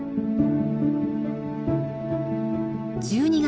１２月。